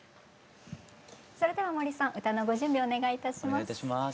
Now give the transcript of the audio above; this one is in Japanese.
それでは杜さん歌のご準備お願いいたします。